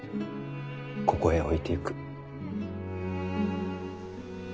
ここへ置いてゆく。